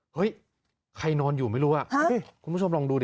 เฮ้ยใครนอนอยู่ไม่รู้คุณผู้ชมลองดูดิ